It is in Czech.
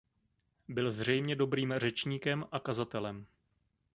Byl zřejmě dobrým řečníkem a kazatelem.